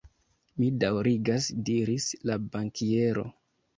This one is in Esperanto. Mi daŭrigas, diris la bankiero.